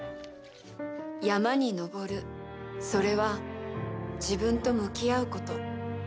山に登るそれは自分と向き合うこと。